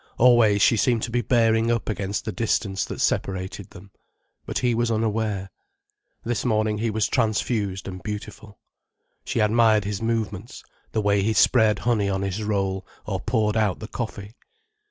Always she seemed to be bearing up against the distance that separated them. But he was unaware. This morning he was transfused and beautiful. She admired his movements, the way he spread honey on his roll, or poured out the coffee.